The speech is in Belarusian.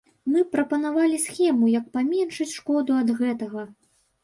Мы прапанавалі схему, як паменшыць шкоду ад гэтага.